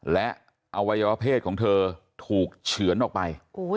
และอวัยวะเพศของเธอถูกเฉือนออกไป